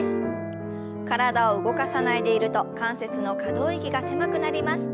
体を動かさないでいると関節の可動域が狭くなります。